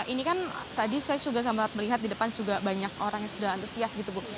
ini kan tadi saya juga sempat melihat di depan juga banyak orang yang sudah antusias gitu bu